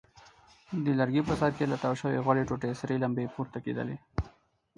د لرګي په سر کې له تاو شوې غوړې ټوټې سرې لمبې پورته کېدلې.